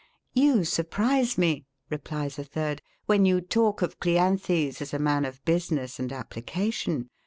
] You surprise me, replies a third, when you talk of Cleanthes as a man of business and application.